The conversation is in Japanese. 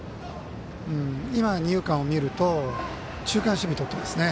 今、二遊間を見ると中間守備をとっていますね。